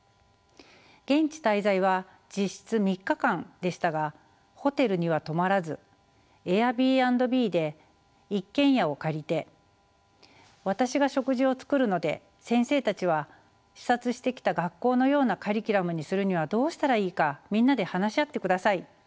現地滞在は実質３日間でしたがホテルには泊まらずＡｉｒｂｎｂで一軒家を借りて「私が食事を作るので先生たちは視察してきた学校のようなカリキュラムにするにはどうしたらいいかみんなで話し合ってください。